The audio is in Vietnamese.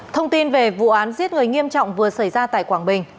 thông tin về vụ án giết người nghiêm trọng vừa xảy ra tại quảng bình